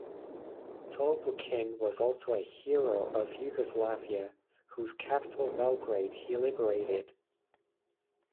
Tolbukhin was also a hero of Yugoslavia, whose capital Belgrade he liberated.